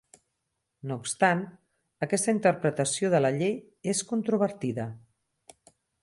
No obstant, aquesta interpretació de la llei és controvertida.